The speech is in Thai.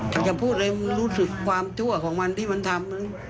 จะพูดอะไรรู้สึกความชั่วของมันที่มันทำ